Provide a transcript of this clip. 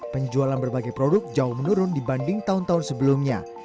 penjualan berbagai produk jauh menurun dibanding tahun tahun sebelumnya